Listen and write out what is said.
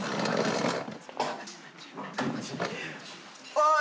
おい！